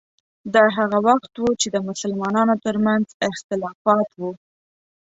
دا هغه وخت و چې د مسلمانانو ترمنځ اختلافات وو.